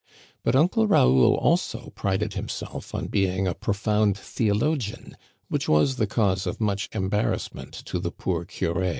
But Uncle Raoul also prided himself on being a profound theo logian, which was the cause of much embarrassment to the poor curé.